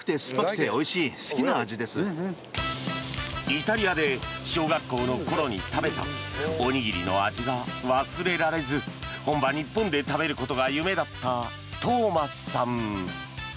イタリアで小学校の頃に食べたおにぎりの味が忘れられず本場・日本で食べることが夢だったトーマスさん。